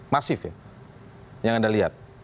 masif ya yang anda lihat